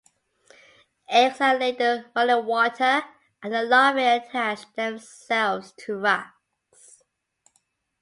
Eggs are laid in running water, and the larvae attach themselves to rocks.